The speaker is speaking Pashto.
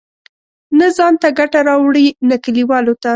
نه ځان ته ګټه راوړي، نه کلیوالو ته.